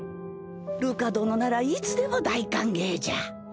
るか殿ならいつでも大歓迎じゃ。